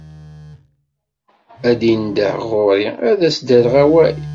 Ad d-indeh ɣur-i, ad as-d-rreɣ awal.